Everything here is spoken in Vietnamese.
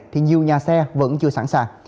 thì nhiều nhà xe vẫn chưa sẵn sàng